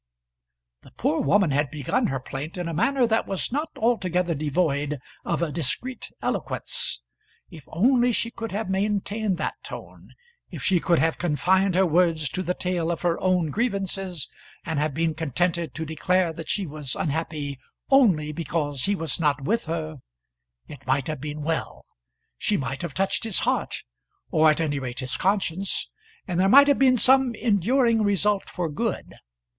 The poor woman had begun her plaint in a manner that was not altogether devoid of a discreet eloquence. If only she could have maintained that tone, if she could have confined her words to the tale of her own grievances, and have been contented to declare that she was unhappy, only because he was not with her, it might have been well. She might have touched his heart, or at any rate his conscience, and there might have been some enduring result for good.